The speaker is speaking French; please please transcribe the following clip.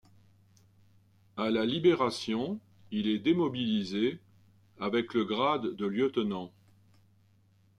À la libération, il est démobilisé, avec le grade de lieutenant.